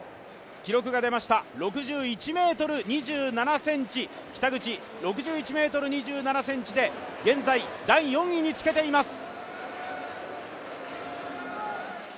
記録が出ました６１ｍ２７ｃｍ、北口、現在第４位につけています。